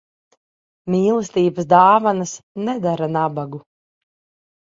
Mīlestības dāvanas nedara nabagu.